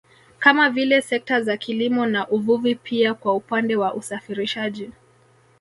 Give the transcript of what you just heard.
Kama vile sekta za kilimo na uvuvi pia kwa upande wa usafirishaji